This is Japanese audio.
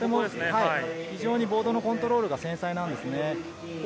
非常にボードのコントロールが繊細なんですね。